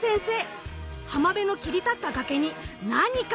浜辺の切り立った崖に何かを発見！